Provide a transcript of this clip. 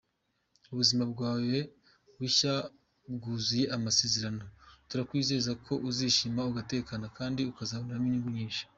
Ubuzima bwawe bushya bwuzuye amasezerano, turakwizeza ko uzishima ugatekana kandi ukazaboneramo inyungu nyinshi.